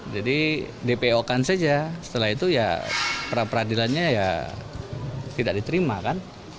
jadi dpo kan saja setelah itu ya perapradilannya ya tidak diterima kan